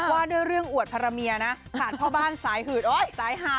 ว่าด้วยเรื่องอวดพรรเมียนะขาดพ่อบ้านสายหืดเอ้ยสายหาด